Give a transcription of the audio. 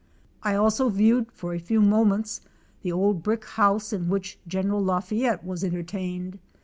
I also viewed for a few moments the old brick house in which General LaFayette was entertained.